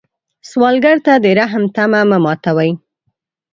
سوالګر ته د رحم تمه مه ماتوي